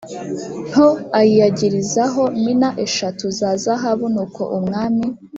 Nto ayiyagirizaho mina eshatu za zahabu nuko umwami